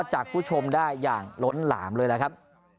จากผู้ชมได้อย่างล้นหลามเลยล่ะครับ